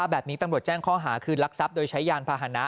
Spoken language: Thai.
แบบนี้ตำรวจแจ้งข้อหาคือรักทรัพย์โดยใช้ยานพาหนะ